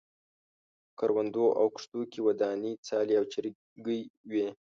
په کروندو او کښتو کې ودانې څالې او چرګۍ وې.